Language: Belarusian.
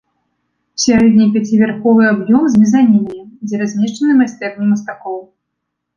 Сярэдні пяціпавярховы аб'ём з мезанінамі, дзе размешчаны майстэрні мастакоў.